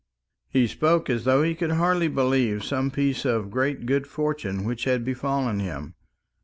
He spoke as though he could hardly believe some piece of great good fortune which had befallen him.